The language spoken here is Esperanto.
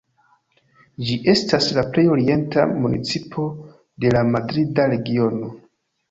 Ĝi estas la plej orienta municipo de la Madrida Regiono.